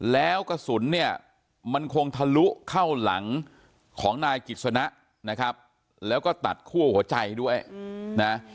แล้วกระสุนเนี่ยมันคงทะลุเข้าหลังของนายกิจสนะนะครับแล้วก็ตัดคั่วหัวใจด้วยนะ